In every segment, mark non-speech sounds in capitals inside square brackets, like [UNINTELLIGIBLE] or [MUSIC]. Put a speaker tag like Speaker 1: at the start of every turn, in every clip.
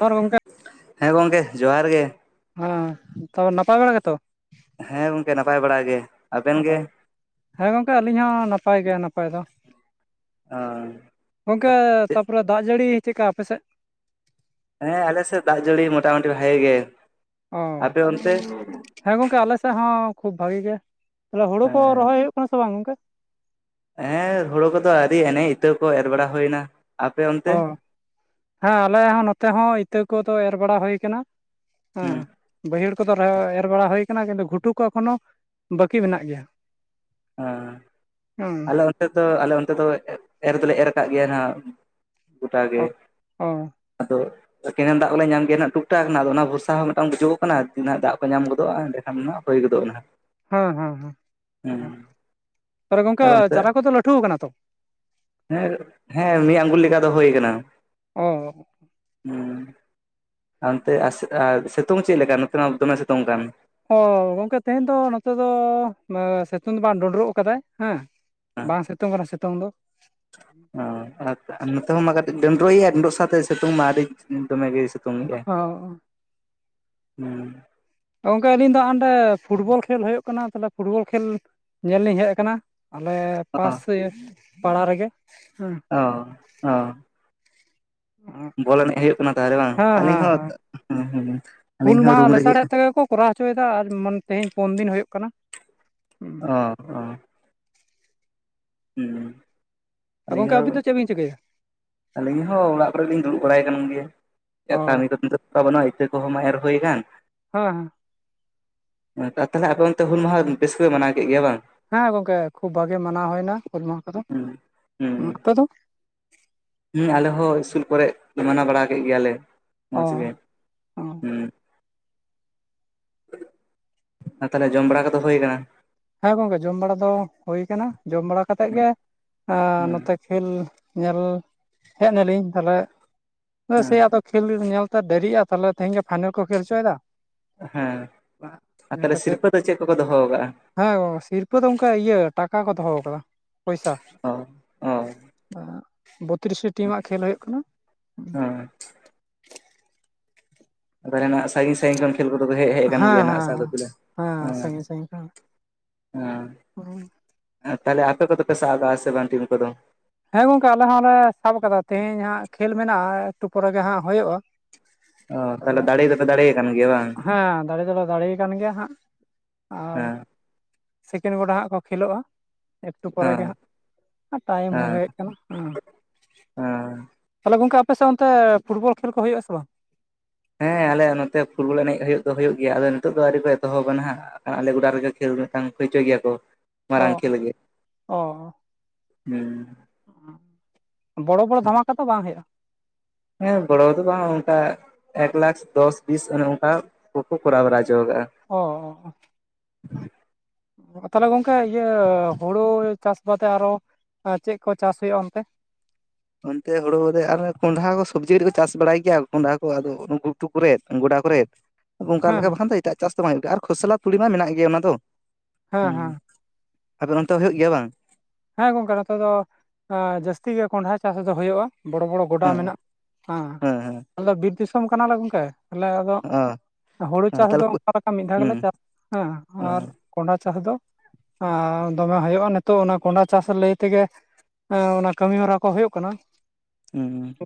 Speaker 1: [UNINTELLIGIBLE] ᱜᱚᱝᱠᱮ
Speaker 2: ᱦᱮᱸ ᱜᱚᱝᱠᱮ ᱡᱚᱦᱟᱨ ᱜᱮ
Speaker 1: ᱦᱮᱸ, ᱛᱚ ᱱᱟᱯᱟᱭ ᱵᱟᱲᱟ ᱜᱮᱛᱚ
Speaker 2: ᱦᱮᱸ ᱜᱚᱝᱠᱮ ᱱᱟᱯᱟᱭ ᱵᱟᱲᱟ ᱜᱮ ᱟᱵᱮᱱ
Speaker 1: ᱚ,
Speaker 2: ᱜᱮ
Speaker 1: ᱦᱮᱸ ᱜᱚᱝᱠᱮ ᱟᱹᱞᱤᱧ ᱦᱚᱸ ᱱᱟᱯᱟᱭ ᱜᱮ ᱱᱟᱯᱟᱭ ᱫᱚ
Speaker 2: ᱚ
Speaker 1: ᱜᱚᱝᱠᱮ
Speaker 2: ᱪᱮᱫ
Speaker 1: ᱛᱟᱯᱚᱨᱮ ᱫᱟᱜ ᱡᱟᱹᱲᱤ ᱪᱮᱫᱠᱟ ᱟᱯᱮ ᱥᱮᱜ?
Speaker 2: ᱦᱮᱸ ᱟᱞᱮ ᱥᱮᱜ ᱫᱟᱜ ᱡᱟᱹᱲᱤ ᱢᱚᱴᱟᱢᱩᱴᱤ ᱵᱷᱟᱜᱮ ᱜᱮ
Speaker 1: ᱚ
Speaker 2: ᱟᱯᱮ ᱚᱱᱛᱮ
Speaker 1: ᱦᱮᱸ ᱜᱚᱝᱠᱮ ᱟᱞᱮ ᱥᱮᱫ ᱦᱚᱸ ᱠᱷᱩᱵ ᱵᱷᱟᱜᱤ ᱜᱮ ᱛᱟᱦᱞᱮ ᱦᱳᱲᱳ ᱠᱚ ᱨᱚᱦᱚᱭ ᱦᱩᱭᱩᱜ [UNINTELLIGIBLE] ᱥᱮ ᱵᱟᱝ ᱜᱚᱝᱠᱮ
Speaker 2: ᱦᱮᱸ ᱦᱳᱲᱳ ᱠᱚᱫᱚ ᱟᱣᱨᱤ ᱮᱱᱮ ᱤᱛᱟᱹ ᱠᱚ ᱮᱨ ᱵᱟᱲᱟ ᱦᱳᱭ ᱱᱟ
Speaker 1: ᱚ ᱦᱮᱸ ᱟᱞᱮ ᱦᱚᱸ ᱱᱚᱛᱮ ᱦᱚᱸ ᱤᱛᱟᱹ ᱠᱚᱫᱚ ᱮᱨ ᱵᱟᱲᱟ ᱦᱳᱭ ᱠᱟᱱᱟ ᱦᱮᱸ
Speaker 2: ᱦᱩᱸ
Speaker 1: ᱵᱟᱹᱭᱦᱟᱹᱲ ᱠᱚᱫᱚ ᱮᱨ ᱵᱟᱲᱟ ᱦᱳᱭ ᱠᱟᱱᱟ ᱠᱤᱱᱛᱩ ᱜᱷᱩᱴᱩ ᱠᱚ ᱮᱠᱷᱚᱱᱳ ᱵᱟᱹᱠᱤ ᱢᱮᱱᱟᱜ ᱜᱮᱭᱟ
Speaker 2: ᱦᱮᱸ
Speaker 1: ᱦᱮᱸ
Speaker 2: ᱟᱞᱮ ᱚᱱᱛᱮ ᱫᱚ ᱟᱞᱮ ᱚᱱᱛᱮ ᱫᱚ ᱮᱨ ᱫᱚᱞᱮ ᱮᱨ ᱠᱟᱜ ᱜᱮᱭᱟ ᱦᱟᱸᱜ ᱜᱚᱴᱟ ᱜᱮ
Speaker 1: ᱚ ᱚ
Speaker 2: ᱟᱫᱚ ᱠᱮᱱᱮᱞ ᱫᱟᱜ ᱠᱚᱞᱮ ᱧᱟᱢ ᱜᱮᱭᱟ ᱱᱟᱜ ᱴᱩᱠ ᱴᱟᱠ ᱟᱫᱚ ᱚᱱᱟ ᱵᱷᱚᱨᱥᱟ ᱦᱚᱸ ᱢᱤᱫᱴᱟᱝ ᱵᱩᱡᱚᱠᱚᱜ ᱠᱟᱱᱟ ᱛᱤᱱᱟᱹᱜ ᱫᱟᱜ ᱠᱚ ᱧᱟᱢ ᱜᱚᱫᱚᱜᱼᱟ, ᱮᱸᱰᱮ ᱠᱷᱟᱱ ᱦᱳᱭ ᱜᱚᱫᱚᱜᱟ ᱱᱟᱦᱟᱜ
Speaker 1: ᱦᱮᱸ ᱦᱮᱸ ᱦᱮᱸ ᱛᱟᱦᱞᱮ ᱜᱚᱝᱠᱮ
Speaker 2: ᱟᱨ ᱚᱱᱛᱮ
Speaker 1: ᱪᱟᱨᱟ ᱠᱚᱫᱚ ᱞᱟᱹᱴᱷᱩ ᱠᱟᱱᱟ ᱛᱚ?
Speaker 2: ᱦᱮᱸ ᱦᱮᱸ ᱢᱤᱫ ᱟᱸᱜᱩᱞ ᱞᱮᱠᱟ ᱫᱚ ᱦᱳᱭ ᱠᱟᱱᱟ
Speaker 1: ᱚ
Speaker 2: ᱦᱩ ᱟᱨ ᱚᱱᱛᱮ ᱟᱨ ᱟᱨ ᱥᱤᱛᱩᱝ ᱪᱮᱫ ᱞᱮᱠᱟ? ᱱᱚᱛᱮ ᱢᱟ ᱫᱚᱢᱮ ᱥᱤᱛᱳᱝ ᱠᱟᱱ
Speaker 1: ᱚ ᱜᱚᱢᱠᱮ ᱛᱮᱦᱮᱧ ᱫᱚ ᱱᱚᱛᱮ ᱫᱚ ᱥᱤᱛᱳᱝ ᱫᱚ ᱵᱟᱝ ᱰᱳᱸᱰᱨᱳᱜ ᱠᱟᱫᱟᱭ ᱦᱮᱸ ᱵᱟᱝ ᱥᱤᱛᱳᱝ ᱠᱟᱱᱟ ᱥᱤᱛᱳᱝ ᱫᱚ
Speaker 2: ᱚ ᱟᱨ ᱱᱚᱛᱮ ᱦᱚᱸ ᱢᱟ ᱠᱟᱹᱴᱤᱡ ᱰᱳᱸᱰᱨᱳᱜ ᱮᱭᱟ ᱰᱳᱸᱰᱨᱳᱜ ᱥᱟᱶᱛᱮ ᱥᱤᱛᱳᱝ ᱢᱟ ᱟᱹᱰᱤ ᱫᱚᱢᱮ ᱜᱮ ᱥᱮᱼ ᱼᱛᱳᱝᱮᱜᱟ ᱦᱩᱸ
Speaker 1: ᱜᱚᱢᱠᱮ ᱟᱹᱞᱤᱧ ᱫᱚ ᱦᱟᱸᱜ ᱟᱱᱰᱮ ᱯᱷᱩᱴᱵᱚᱞ ᱠᱷᱮᱞ ᱦᱳᱭᱳᱜ ᱠᱟᱱᱟ, ᱛᱟᱦᱚᱞᱮ ᱯᱷᱩᱴᱵᱚᱞ ᱠᱷᱮᱞ ᱧᱮᱞ ᱞᱤᱧ ᱦᱮᱡ ᱠᱟᱱᱟ ᱟᱞᱮ ᱯᱟᱥ ᱯᱟᱲᱟ ᱨᱮᱜᱮ ᱦᱮᱸ
Speaker 2: ᱚᱻ ᱚ ᱵᱚᱞ ᱮᱱᱮᱡ ᱦᱳᱭᱳᱜ ᱠᱟᱱᱟ ᱛᱟᱦᱚᱞᱮ ᱵᱟᱝ
Speaker 1: ᱦᱮᱸ
Speaker 2: ᱟᱹᱞᱤᱧ
Speaker 1: ᱦᱮᱸ
Speaker 2: ᱦᱚᱸ
Speaker 1: ᱦᱮᱸ
Speaker 2: ᱦ ᱟᱹᱞᱤᱧ
Speaker 1: ᱦᱩᱞ
Speaker 2: ᱦᱚᱸ
Speaker 1: ᱢᱟᱦᱟ
Speaker 2: ᱨᱩᱢ ᱨᱮᱜᱮ
Speaker 1: ᱞᱮᱥᱟᱲᱦᱮᱫ ᱛᱮᱜᱮ ᱠᱚ ᱠᱚᱨᱟᱣ ᱦᱚᱪᱚᱭᱫᱟ ᱟᱨ ᱢᱟᱱ ᱛᱮᱦᱮᱧ ᱯᱳᱱ ᱫᱤᱱ ᱦᱳᱭᱳᱜ ᱠᱟᱱᱟ
Speaker 2: ᱚ ᱚ ᱦᱩᱸ
Speaker 1: ᱟᱨ
Speaker 2: ᱟᱹᱞᱤᱧ
Speaker 1: ᱜᱚᱢᱠᱮ
Speaker 2: ᱦᱚᱸ
Speaker 1: ᱟᱹᱵᱤᱱ ᱫᱚ ᱪᱮᱫ ᱵᱤᱱ ᱪᱤᱠᱟᱹᱭ ᱫᱟ?
Speaker 2: ᱟᱹᱞᱤᱧ ᱦᱚᱸ ᱚᱲᱟᱜ ᱠᱚᱨᱮ ᱜᱮᱞᱤᱧ ᱫᱩᱲᱩᱵ ᱵᱟᱲᱟᱭ ᱠᱟᱱ ᱜᱮᱭᱟ, ᱮ
Speaker 1: ᱚ
Speaker 2: ᱠᱟᱹᱢᱤ ᱠᱚ ᱱᱤᱛᱚᱜᱼᱼ ᱛᱚ ᱵᱟᱹᱱᱩᱜᱼᱟ ᱤᱛᱟᱹ ᱠᱚᱦᱚᱸ ᱢᱟᱭ ᱮᱨ ᱦᱳᱭ ᱟᱠᱟᱱ
Speaker 1: ᱦᱮᱸ ᱦᱮᱸ
Speaker 2: ᱛᱟᱦᱞᱮ ᱟᱯᱮ ᱚᱱᱛᱮ ᱦᱩᱞ ᱢᱟᱦᱟ ᱵᱮᱥ ᱜᱮᱯᱮ ᱢᱟᱱᱟᱣ ᱠᱮᱫ ᱜᱮᱭᱟ ᱵᱟᱝ?
Speaker 1: ᱦᱮᱸ ᱜᱚᱝᱠᱮ ᱠᱷᱩᱵ ᱵᱷᱟᱜᱮ ᱢᱟᱱᱟᱣ ᱦᱩᱭᱱᱟ ᱦᱩᱞ ᱢᱟᱦᱟ ᱠᱚᱫᱚ,
Speaker 2: ᱦᱩᱸ
Speaker 1: ᱟᱯᱮ ᱫᱚ?
Speaker 2: ᱦᱩᱸ ᱟᱞᱮ ᱦᱚᱸ ᱤᱥᱠᱩᱞ ᱠᱚᱨᱮᱜ ᱢᱟᱱᱟᱣ ᱵᱟᱲᱟ ᱠᱮᱫ ᱜᱮᱭᱟᱞᱮ ᱢᱚᱡᱽ
Speaker 1: ᱚ
Speaker 2: ᱜᱮ ᱦᱩᱸ ᱟᱨ ᱛᱟᱞᱦᱮ ᱡᱚᱢ ᱵᱟᱲᱟ ᱠᱚᱫᱚ ᱦᱩᱭ ᱠᱟᱱᱟ?
Speaker 1: ᱦᱮᱸ ᱜᱚᱝᱠᱮ ᱡᱚᱢ ᱵᱟᱲᱟ ᱫᱚ ᱦᱳᱭ ᱠᱟᱱᱟ, ᱡᱚᱢ ᱵᱟᱲᱟ ᱠᱟᱛᱮᱜ ᱜᱮ
Speaker 2: ᱦᱩᱸ
Speaker 1: ᱱᱚᱛᱮ ᱠᱷᱮᱞ ᱧᱮᱞ ᱦᱮᱡ ᱱᱟᱞᱤᱧ ᱛᱟᱦᱞᱮ
Speaker 2: ᱦᱩᱸ
Speaker 1: [UNINTELLIGIBLE] ᱟᱫᱚᱼᱼ ᱠᱷᱮᱞ ᱧᱮᱞᱛᱮ ᱫᱮᱨᱤᱜᱼᱟ ᱛᱟᱦᱞᱮ ᱛᱮᱦᱮᱧ ᱜᱮ ᱯᱷᱟᱭᱱᱮᱞ ᱠᱚ ᱠᱷᱮᱞ ᱦᱚᱪᱚᱭᱫᱟ
Speaker 2: ᱦᱮᱸ ᱟᱨ ᱛᱟᱞᱦᱮ ᱥᱤᱨᱯᱟᱹ ᱫᱚ ᱪᱮᱫ ᱠᱚ ᱠᱚ ᱫᱚᱦᱚᱣ ᱠᱟᱜᱼᱟ?
Speaker 1: ᱦᱮᱸ ᱚ ᱥᱤᱨᱯᱟᱹ ᱫᱚ ᱚᱱᱠᱟ ᱤᱭᱟᱹ ᱴᱟᱠᱟ ᱠᱚ ᱫᱚᱦᱚᱣ ᱠᱟᱫᱟ ᱯᱚᱭᱥᱟ
Speaker 2: ᱚ ᱚ
Speaker 1: ᱟᱸ ᱵᱚᱛᱨᱤᱥᱴᱤ ᱴᱤᱢᱟᱜ ᱠᱷᱮᱞ ᱦᱩᱭᱩᱜ ᱠᱟᱱᱟ
Speaker 2: ᱟᱪᱪᱷᱟ ᱛᱟᱞᱦᱮ ᱱᱟᱜ ᱥᱟᱹᱜᱤᱧ ᱥᱟᱹᱜᱤᱧ ᱠᱷᱚᱱ ᱠᱷᱮᱞ ᱠᱚᱫᱚ ᱠᱚ ᱦᱮᱜ ᱦᱮᱡ ᱠᱟᱱ
Speaker 1: ᱦᱮᱸ
Speaker 2: ᱜᱮᱭᱟ
Speaker 1: ᱦᱮᱸ
Speaker 2: ᱥᱟ ᱜᱟᱛᱤ ᱨᱮᱱ ᱩᱸ
Speaker 1: ᱦᱩᱸ
Speaker 2: ᱟ ᱛᱟᱦᱞᱮ ᱟᱯᱮ ᱠᱚᱫᱚ ᱯᱮ ᱥᱟᱵᱽᱠᱟᱜᱼᱟ ᱥᱮ ᱵᱟᱝ ᱴᱤᱢ ᱠᱚᱫᱚ
Speaker 1: ᱦᱮᱸ ᱜᱚᱝᱠᱮ ᱟᱞᱮ ᱦᱚᱸᱞᱮ ᱥᱟᱵ ᱠᱟᱫᱟ ᱛᱮᱦᱮᱧ ᱦᱟᱸᱜ ᱠᱷᱮᱞ ᱢᱮᱱᱟᱜᱼᱟ ᱮᱠᱴᱩ ᱯᱚᱨᱮ ᱜᱮ ᱦᱟᱸᱜ ᱦᱳᱭᱳᱜᱼᱟ᱾
Speaker 2: ᱚ ᱛᱟᱦᱚᱞᱮ
Speaker 1: ᱛᱟᱦᱞᱮ
Speaker 2: ᱫᱟᱲᱮ ᱫᱚᱯᱮ ᱫᱟᱲᱮ ᱟᱠᱟᱱ ᱜᱮᱭᱟ ᱵᱟᱝ?
Speaker 1: ᱦᱮᱸ ᱫᱟᱲᱮ ᱫᱚᱞᱮ ᱫᱟᱲᱮᱭ ᱠᱟᱱ ᱜᱮᱭᱟ ᱦᱟᱸᱜ ᱟᱨ
Speaker 2: ᱦᱮᱸ
Speaker 1: ᱥᱮᱠᱮᱱᱰ ᱜᱚᱰᱟ ᱦᱟᱸᱜ ᱠᱚ ᱠᱷᱮᱞᱳᱜᱼᱟ ᱮᱠᱴᱩ ᱯᱚᱨᱮ
Speaker 2: ᱦᱮᱸ
Speaker 1: ᱜᱮ ᱦᱟᱸᱜ ᱟᱨ ᱴᱟᱭᱤᱢᱼᱼ
Speaker 2: ᱦᱮᱸ
Speaker 1: ᱪᱮᱫ ᱠᱟᱱᱟ? ᱩᱸ
Speaker 2: ᱦᱮᱸ
Speaker 1: ᱛᱟᱞᱮ ᱜᱚᱢᱠᱮ ᱟᱯᱮᱥᱮᱫ ᱚᱱᱛᱮ ᱯᱷᱩᱴᱵᱚᱞ ᱠᱷᱮᱞ ᱠᱚ ᱦᱩᱭᱩᱜᱼᱟ ᱥᱮ ᱵᱟᱝ?
Speaker 2: ᱦᱮᱸ ᱟᱞᱮ ᱱᱚᱛᱮ ᱯᱷᱩᱴᱵᱚᱞ ᱮᱱᱮᱡ ᱦᱩᱭ ᱫᱚ ᱦᱩᱭᱩᱜ ᱜᱮᱭᱟ ᱟᱫᱚ ᱱᱤᱛᱳᱜ ᱫᱚ ᱟᱹᱣᱨᱤ ᱠᱚ ᱮᱛᱚᱦᱚᱵᱼᱟ ᱱᱟᱜ ᱟᱞᱮ ᱜᱚᱰᱟ ᱨᱮᱜᱮ ᱠᱷᱮᱞ ᱢᱤᱫᱴᱟᱝ ᱦᱳᱭ ᱦᱚᱪᱚᱭ ᱜᱮᱭᱟ ᱠᱚ
Speaker 1: ᱚ
Speaker 2: ᱢᱟᱨᱟᱝ ᱠᱷᱮᱞ ᱜᱮ
Speaker 1: ᱚ
Speaker 2: ᱦᱩᱸ
Speaker 1: ᱵᱚᱲᱚ ᱵᱚᱲᱚ ᱫᱷᱟᱢᱟᱠᱟ ᱛᱚ ᱵᱟᱝ ᱦᱩᱭᱩᱜᱼᱟ
Speaker 2: ᱦᱮᱸ ᱵᱚᱲᱚ ᱫᱚ ᱵᱟᱝ ᱚᱱᱠᱟ ᱮᱠ ᱞᱟᱠᱷ ᱫᱚᱥ ᱵᱤᱥ ᱚᱱᱮ ᱚᱱᱠᱟ ᱠᱚ ᱠᱚ ᱠᱚᱨᱟᱣ ᱵᱟᱲᱟ ᱪᱚ ᱠᱟᱜᱼᱟ᱾
Speaker 1: ᱚ ᱚ ᱛᱟᱞᱮ ᱜᱚᱝᱠᱮ ᱤᱭᱟᱹ ᱦᱩᱲᱩ ᱪᱟᱥ ᱵᱟᱫᱮ ᱟᱨᱚ ᱟᱸ ᱪᱮᱫ ᱠᱚ ᱪᱟᱥ ᱦᱩᱭᱩᱜᱼᱟ ᱚᱱᱛᱮ
Speaker 2: ᱚᱱᱛᱮ ᱦᱩᱲᱩ ᱵᱟᱫᱮ ᱟᱨ ᱦᱚᱸ ᱠᱚᱸᱰᱷᱟ ᱠᱚ ᱥᱚᱵᱽᱡᱤ ᱨᱮ ᱦᱚᱸ ᱪᱟᱥ ᱵᱟᱲᱟᱭ ᱜᱮᱭᱟ ᱠᱚᱸᱰᱷᱟ ᱠᱚ ᱟᱫᱚ ᱩᱴ ᱜᱷᱩᱴᱩ ᱠᱚᱨᱮ ᱜᱚᱰᱟ ᱠᱚᱨᱮ ᱚᱱᱠᱟ
Speaker 1: ᱦᱮᱸ
Speaker 2: ᱞᱮᱠᱟ
Speaker 1: ᱦᱮᱸ
Speaker 2: ᱵᱟᱠᱷᱟᱱ ᱫᱚ ᱮᱴᱟᱜ ᱪᱟᱥ ᱫᱚ ᱵᱟᱝ ᱦᱩᱭᱩᱜ ᱜᱮᱭᱟ ᱟᱨ ᱠᱷᱚᱥᱞᱟ ᱛᱩᱲᱤ ᱢᱟ ᱢᱮᱱᱟᱜ ᱜᱮ ᱚᱱᱟ ᱫᱚ
Speaker 1: ᱦᱮᱸ
Speaker 2: ᱦᱩᱸ
Speaker 1: ᱦᱮᱸ
Speaker 2: ᱟᱫᱚ ᱚᱱᱛᱮ ᱦᱩᱭᱩᱜ ᱜᱮᱭᱟ ᱵᱟᱝ
Speaker 1: ᱦᱮᱸ ᱜᱚᱝᱠᱮ ᱱᱚᱛᱮ ᱫᱚ ᱟᱸ ᱡᱟᱹᱥᱛᱤ ᱜᱮ ᱠᱚᱸᱰᱦᱟ ᱪᱟᱥ ᱫᱚ ᱦᱳᱭᱳᱜᱼᱟ ᱵᱚᱲᱚ ᱵᱚᱲᱚ ᱜᱚᱰᱟ
Speaker 2: ᱦᱮᱸ
Speaker 1: ᱢᱮᱱᱟᱜᱼᱟ
Speaker 2: ᱦᱮᱸ ᱦᱮᱸ
Speaker 1: ᱟᱞᱮ ᱫᱚ ᱵᱤᱨ ᱫᱤᱥᱚᱢ ᱠᱟᱱᱟᱞᱮ ᱜᱚᱝᱠᱮ᱾ ᱛᱟᱞᱮ ᱟᱫᱚ ᱦᱳᱲᱳ
Speaker 2: ᱚ
Speaker 1: ᱪᱟᱥ
Speaker 2: ᱛᱟᱦᱚᱞᱮ
Speaker 1: ᱫᱚ ᱚᱱᱠᱟ ᱞᱮᱠᱟ ᱢᱤᱫ ᱫᱷᱟᱣ ᱜᱮᱞᱮ
Speaker 2: ᱦᱩᱸ
Speaker 1: ᱪᱟᱥ ᱟ ᱦᱟᱸᱜ ᱟᱨ ᱠᱚᱸᱰᱷᱟ ᱪᱟᱥ ᱫᱚ ᱟᱸ ᱫᱚᱢᱮ ᱦᱩᱭᱩᱜᱼᱟ ᱱᱤᱛᱚᱜ ᱚᱱᱟ ᱠᱚᱸᱰᱷᱟ ᱪᱟᱥ ᱞᱟᱹᱭ ᱛᱮᱜᱮ ᱟᱸ ᱚᱱᱟ ᱠᱟᱹᱢᱤ ᱦᱚᱨᱟ ᱠᱚ ᱦᱩᱭᱩᱜ ᱠᱟᱱᱟ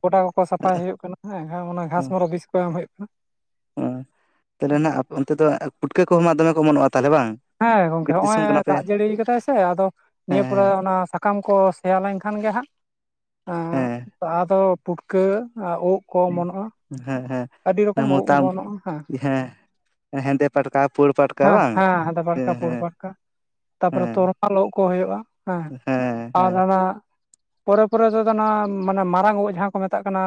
Speaker 1: ᱜᱚᱰᱟ ᱠᱚᱠᱚ ᱥᱟᱯᱷᱟᱭ ᱦᱩᱭᱩᱜ ᱠᱟᱱᱟ ᱦᱮᱸ ᱟᱨ ᱚᱱᱟ ᱜᱷᱟᱥᱢᱚᱨᱚ ᱵᱤᱥ ᱠᱚ ᱮᱢ ᱦᱩᱭᱩᱜ ᱠᱟᱱᱟ
Speaker 2: ᱚ ᱛᱟᱞᱦᱮ ᱱᱟᱜ ᱟᱯᱮ ᱚᱱᱛᱮ ᱫᱚ ᱯᱩᱴᱠᱟᱹ ᱠᱚ ᱢᱟ ᱫᱚᱢᱮ ᱠᱚ ᱚᱢᱚᱱᱚᱜᱼᱟ ᱛᱟᱞᱦᱮ ᱵᱟᱝ᱾
Speaker 1: ᱦᱮᱸ ᱜᱚᱝᱠᱮ
Speaker 2: ᱵᱤᱨ
Speaker 1: ᱦᱚᱜ ᱼᱚᱭ
Speaker 2: ᱫᱤᱥᱚᱢ ᱠᱟᱱᱟ ᱯᱮ
Speaker 1: ᱫᱟᱜ ᱡᱟᱹᱲᱤᱭ ᱠᱟᱫᱟᱭ ᱥᱮ ᱦᱮ ᱟᱫᱚ ᱱᱤᱭᱟᱹ ᱯᱚᱨᱮ
Speaker 2: ᱦᱮᱸ
Speaker 1: ᱚᱱᱟ ᱥᱟᱠᱟᱢ ᱠᱚ ᱥᱮᱭᱟ ᱞᱮᱱᱠᱷᱟᱱ ᱜᱮ ᱦᱟᱸᱜ ᱟᱸ
Speaker 2: ᱦᱮᱸ
Speaker 1: ᱞᱟᱦᱟ ᱫᱚ ᱯᱩᱴᱠᱟᱹ ᱩᱫ ᱠᱚ
Speaker 2: ᱦᱮᱸ
Speaker 1: ᱚᱢᱚᱱᱚᱜᱼᱟ
Speaker 2: ᱦᱮᱸ ᱦᱮᱸ
Speaker 1: ᱟᱹᱰᱤ
Speaker 2: ᱦᱮᱸ
Speaker 1: ᱨᱚᱠᱚᱢ ᱩᱸ
Speaker 2: ᱢᱚᱛᱟᱢ
Speaker 1: ᱚᱢᱚᱱᱚᱜᱼᱟ ᱦᱮᱸ
Speaker 2: ᱦᱮᱸᱫᱮ ᱯᱟᱴᱠᱟ ᱯᱩᱲ ᱯᱟᱴᱠᱟ ᱵᱟᱝ ᱦᱮᱸ
Speaker 1: ᱟᱨᱠᱟ ᱯᱩᱲ
Speaker 2: ᱦᱮᱸ
Speaker 1: ᱯᱟᱴᱠᱟ ᱛᱟᱯᱚᱨᱮ
Speaker 2: ᱦᱮᱸ
Speaker 1: ᱛᱚᱨᱚᱢᱟᱞ ᱳᱫ ᱠᱚ ᱦᱳᱭᱳᱜᱼᱟ ᱦᱮ
Speaker 2: ᱦᱮᱸ ᱦᱮᱸ ᱦᱮᱸ
Speaker 1: ᱯᱚᱨᱮ ᱯᱚᱨᱮ ᱛᱮᱫᱚ ᱱᱟ ᱢᱟᱱᱮ ᱢᱟᱨᱟᱝ ᱳᱜ ᱡᱟᱦᱟᱸ ᱠᱚ ᱢᱮᱛᱟᱜ ᱠᱟᱱᱟ᱾